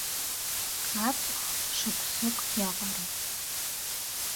Аҵх шықәсык иаҟароуп.